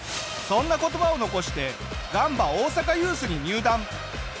そんな言葉を残してガンバ大阪ユースに入団。